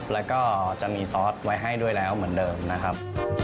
แล้วก็จะมีซอสไว้ให้ด้วยแล้วเหมือนเดิมนะครับ